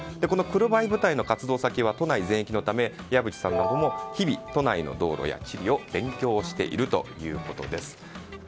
この黒バイ部隊の活動先は都内全域のため岩淵さんも日々都内の道路や地理を勉強しているということです。